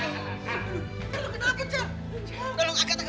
masih belum kesana ga